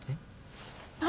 何？